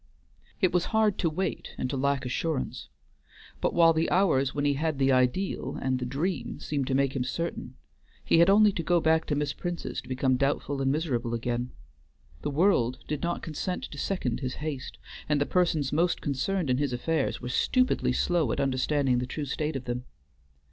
It was hard to wait and to lack assurance, but while the hours when he had the ideal and the dream seemed to make him certain, he had only to go back to Miss Prince's to become doubtful and miserable again. The world did not consent to second his haste, and the persons most concerned in his affairs were stupidly slow at understanding the true state of them.